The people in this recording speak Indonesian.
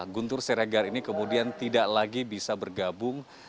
guntur siregar ini kemudian tidak lagi bisa bergabung